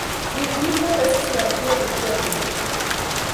Tiu filmo estas la tria inter ili.